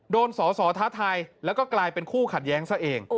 โดนสอสอท้าทายแล้วก็กลายเป็นคู่ขัดแย้งซะเอง